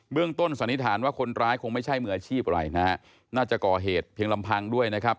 ต้นสันนิษฐานว่าคนร้ายคงไม่ใช่มืออาชีพอะไรนะฮะน่าจะก่อเหตุเพียงลำพังด้วยนะครับ